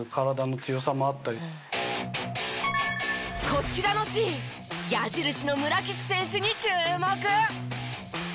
こちらのシーン矢印の村岸選手に注目！